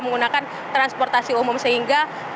menggunakan transportasi umum sehingga